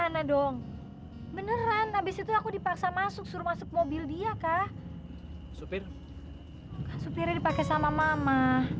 hai benerin habis itu aku dipaksa masuk suruh masuk mobil dia kthat kan supir kami pakai sama mama